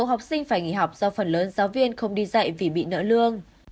học sinh phải nghỉ học do phần lớn giáo viên không đi dạy vì bị nợ lương